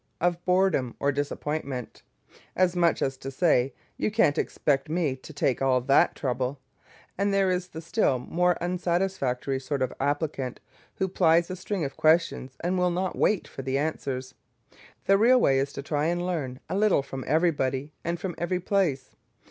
of boredom or disappointment, as much as to say, You can't expect me to take all that trouble; and there is the still more unsatisfactory sort of applicant, who plies a string of questions and will not wait for the answers! The real way is to try and learn a little from everybody and from every place.